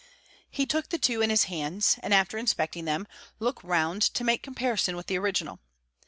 He took the two in his hands, and, after inspecting them, looked round to make comparison with the original.